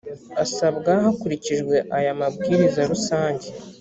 asabwa hakurikijwe aya mabwiriza rusange